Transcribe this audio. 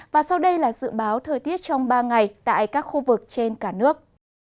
và sau đây là dự báo thời tiết trong ba ngày tại các khu vực trên cả nước